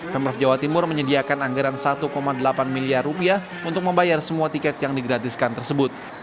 pemprov jawa timur menyediakan anggaran satu delapan miliar rupiah untuk membayar semua tiket yang digratiskan tersebut